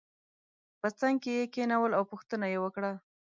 په څنګ کې یې کېنول او پوښتنه یې وکړه.